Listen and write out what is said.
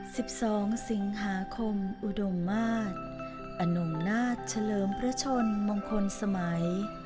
สิบสองสิงหาคมอุดมมาตรอนงนาฏเฉลิมพระชนมงคลสมัย